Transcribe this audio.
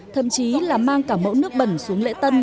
thậm chí là mang cả mẫu nước bẩn xuống lễ tân